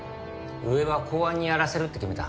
上は公安にやらせるって決めた。